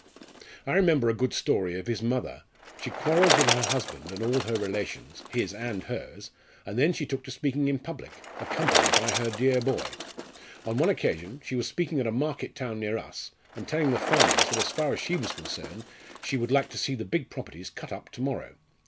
I remember a good story of his mother she quarrelled with her husband and all her relations, his and hers, and then she took to speaking in public, accompanied by her dear boy. On one occasion she was speaking at a market town near us, and telling the farmers that as far as she was concerned she would like to see the big properties cut up to morrow.